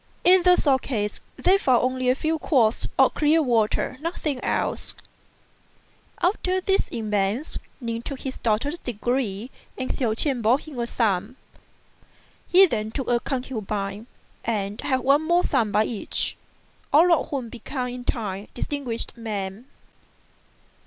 In the sword case they found only a few quarts of clear water; nothing else. After these events Ning took his doctor's degree and Hsiao ch'ien bore him a son. He then took a concubine, and had one more son by each, all of whom became in time distinguished men.